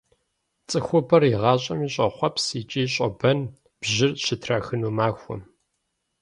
ЦӀыхубэр игъащӀэми щӀохъуэпс икӀи щӀобэн бжьыр щытрахыну махуэм.